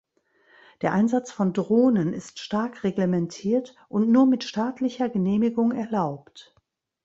Der Einsatz von Drohnen ist stark reglementiert und nur mit staatlicher Genehmigung erlaubt.